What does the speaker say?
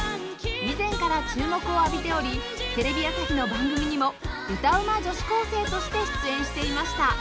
以前から注目を浴びておりテレビ朝日の番組にも歌うま女子高生として出演していました